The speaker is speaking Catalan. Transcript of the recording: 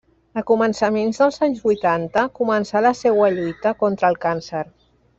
A començaments dels anys vuitanta començà la seua lluita contra el càncer.